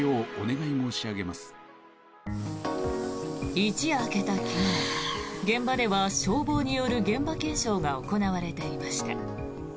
一夜明けた昨日、現場では消防による現場検証が行われていました。